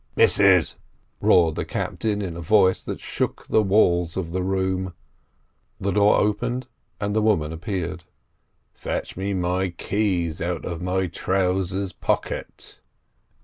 "Missus!" roared the captain in a voice that shook the walls of the room. The door opened, and the woman appeared. "Fetch me my keys out of my trousers pocket."